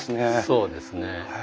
そうですね。